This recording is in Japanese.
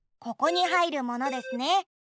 ここにはいるものですね。